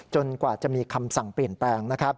จนกว่าจะมีคำสั่งเปลี่ยนแปลง